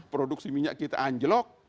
produksi minyak kita anjlok